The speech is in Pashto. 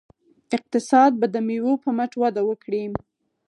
اقتصاد به د میوو په مټ وده وکړي.